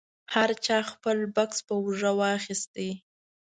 هر چا خپل بکس په اوږه واخیست.